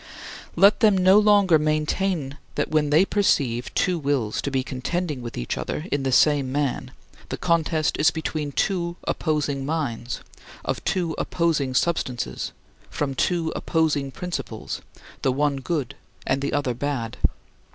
24. Let them no longer maintain that when they perceive two wills to be contending with each other in the same man the contest is between two opposing minds, of two opposing substances, from two opposing principles, the one good and the other bad.